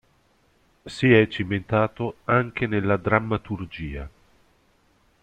Si è cimentato anche nella drammaturgia.